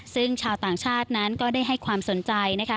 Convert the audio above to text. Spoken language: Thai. ซึ่งชาวต่างชาตินั้นก็ได้ให้ความสนใจนะคะ